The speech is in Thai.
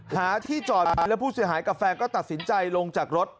หาที่จอดมาแล้วผู้เสียหายกับแฟนก็ตัดสินใจลงจากรถ